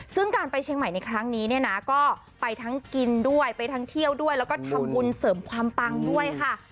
ซึ่งการไปเชียงใหม่ในครั้งนี้เนี่ยนะก็ไปทั้งกินด้วยไปทั้งเที่ยวด้วยแล้วก็ทำบุญเสริมความปังด้วยค่ะ